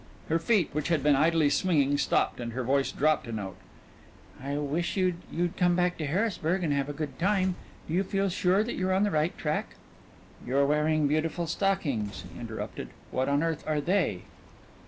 Her feet, which had been idly swinging, stopped and her voice dropped a note. "I wish you'd you'd come back to Harrisburg and have a good time. Do you feel sure that you're on the right track " "You're wearing beautiful stockings," he interrupted. "What on earth are they?"